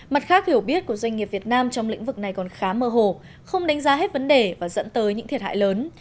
mặt khác hiểu biết của doanh nghiệp việt nam trong lĩnh vực này còn khá mơ hồ không đánh giá hết vấn đề và dẫn tới những thiệt hại lớn